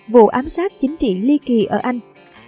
vụ ám sát chính trị ly kỳ ở anh